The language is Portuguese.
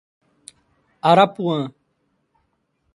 Arapuã